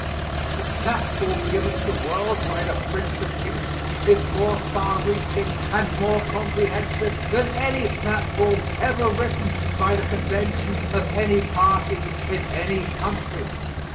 The platform given to the world by The Prince of Peace is more far reaching and more comprehensive than any platform ever written by the convention of any party in any country.